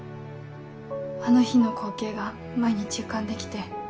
あの日の光景が毎日浮かんで来て。